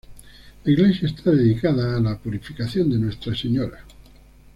La iglesia está dedicada a La Purificación de Nuestra Señora.